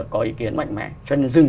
có ý kiến mạnh mẽ cho nên dừng